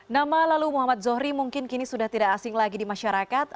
nama lalu muhammad zohri mungkin kini sudah tidak asing lagi di masyarakat